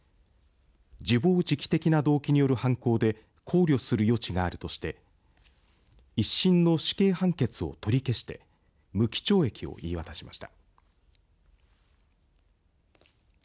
自暴自棄的な動機による犯行で考慮する余地があるとして一審の死刑判決を取り消して無期懲役を言い渡しました。